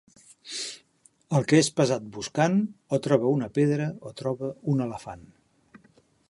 El que és pesat buscant, o troba una pedra o troba un elefant.